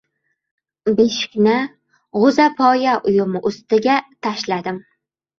Beshikni g‘o‘zapoya uyumi usti tashladim.